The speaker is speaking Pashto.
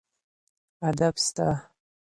ادب سته.